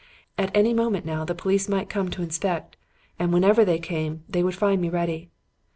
At any moment now, the police might come to inspect, and whenever they came, they would find me ready.